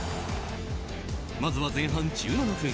まずは前半１７分。